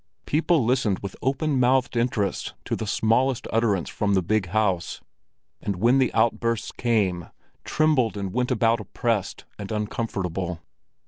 People listened with open mouthed interest to the smallest utterance from the big house, and when the outbursts came, trembled and went about oppressed and uncomfortable.